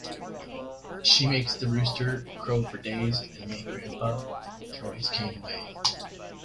She makes the rooster crow for days and made grandpa throw his cane away.